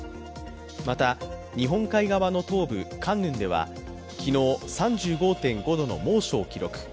また、日本海側の東部カンヌンでは昨日、３５．５度の猛暑を記録。